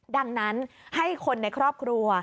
ดังนั้นให้คนในครอบครัว